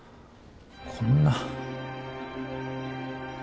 こんな。